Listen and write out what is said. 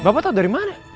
bapak tau dari mana